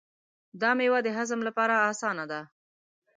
دا مېوه د هضم لپاره اسانه ده.